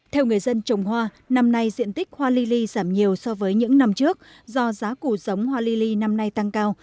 theo người dân trồng hoa năm nay diện tích hoa li li giảm nhiều so với những năm trước do giá của giống hoa li li năm nay tăng cao